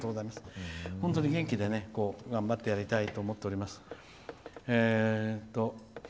本当に元気で頑張ってやりたいと思っております。